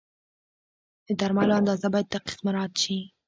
د درملو اندازه باید دقیق مراعت شي.